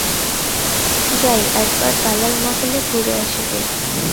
যাই একবার দালাল-মহলে ঘুরে আসি গে।